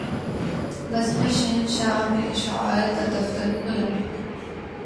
بزم شاہنشاہ میں اشعار کا دفتر کھلا